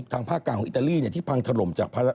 พังภาคกลางของอิตาลีเนี่ยที่พังถล่มจาก